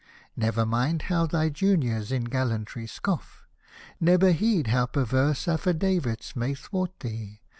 Never mind how thy juniors in gallantry scoff, Never heed how perverse affidavits may thwart thee.